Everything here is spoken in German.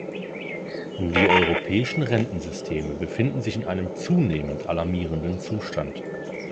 Die europäischen Rentensysteme befinden sich in einem zunehmend alarmierenden Zustand.